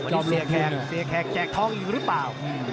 วันนี้เสียแขกแจกทองอยู่หรือเปล่า